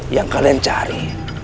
yang kalian cari